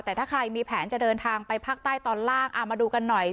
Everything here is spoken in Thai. แต่ถ้าใครมีแผนจะเดินทางไปภาคใต้ตอนล่างเอามาดูกันหน่อย